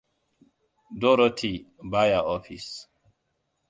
Dorothy ba ya ofis.